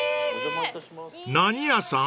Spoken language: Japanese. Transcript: ［何屋さん？］